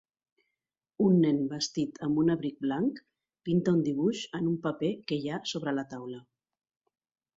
Un nen vestit amb un abric blanc pinta un dibuix en un paper que hi ha sobre la taula.